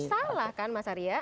salah kan mas arya